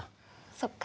そっか。